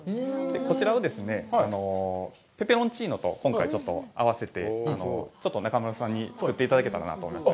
こちらはですね、ペペロンチーノと今回ちょっと合わせてちょっと中丸さんに作っていただけたらなと思います。